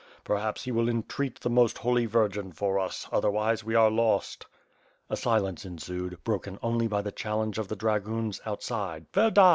Perhaps he will entreat the most Holy Virgin for us; otherwise we are lost." A silence ensued, broken only by the challenge of the dragoons outside, "Wer da!"